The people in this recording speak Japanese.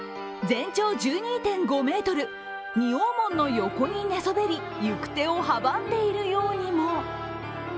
全長１２．５ｍ、仁王門の横に寝そべり行く手を阻んでいるようにも。